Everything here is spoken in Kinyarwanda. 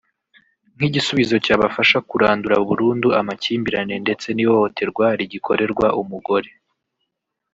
nk’igisubizo cyabafasha kurandura burundu amakimbirane ndetse n’ihohoterwa rigikorerwa umugore